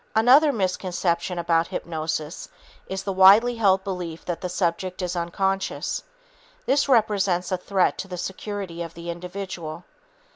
Another misconception about hypnosis is the widely held belief that the subject is unconscious. This represents a threat to the security of the individual.